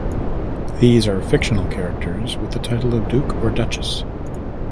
These are fictional characters with the title of "duke" or "duchess".